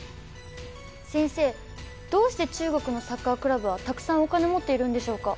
先生どうして中国のサッカークラブはたくさんお金持っているんでしょうか？